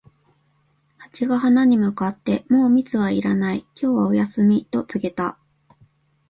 ハチが花に向かって、「もう蜜はいらない、今日はお休み」と告げた。